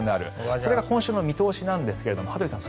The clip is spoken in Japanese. それが今週の見通しなんですが羽鳥さん